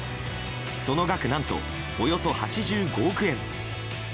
その額、何とおよそ８５億円。